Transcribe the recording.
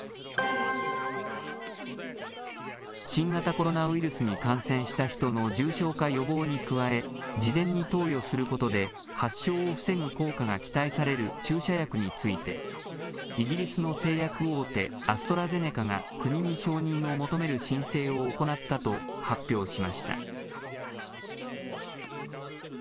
新型コロナウイルスに感染した人の重症化予防に加え、事前に投与することで、発症を防ぐ効果が期待される注射薬について、イギリスの製薬大手、アストラゼネカが国に承認を求める申請を行ったと発表しました。